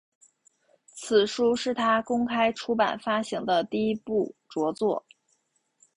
此书是他公开出版发行的第一部着作。